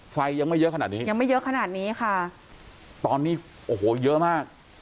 ไฟยังไม่เยอะขนาดนี้ยังไม่เยอะขนาดนี้ค่ะตอนนี้โอ้โหเยอะมาก